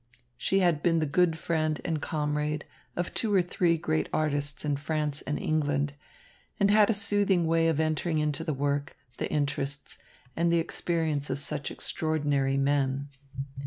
She had been the good friend and comrade of two or three great artists in France and England, and had a soothing way of entering into the work, the interests, and the experiences of such extraordinary men.